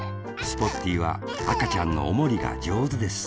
スポッティーはあかちゃんのおもりがじょうずです